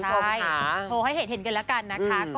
ใช่โชว์ให้เห็นกันแล้วกันนะคะ